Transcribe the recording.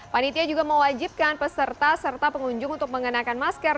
panitia juga mewajibkan peserta serta pengunjung untuk mengenakan masker